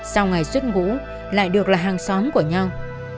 sau ngày xuất ngũ lại được là hàng xóm của nhau